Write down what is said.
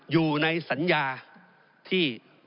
อยู่ในสัญญาที่